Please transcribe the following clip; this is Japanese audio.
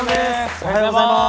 おはようございます。